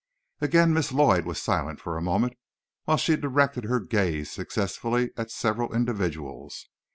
Again Miss Lloyd was silent for a moment, while she directed her gaze successively at several individuals.